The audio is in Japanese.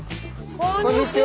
こんにちは！